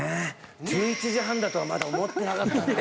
１１時半だとはまだ思ってなかったんで。